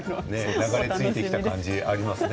流れ着いてきた感じがありますね。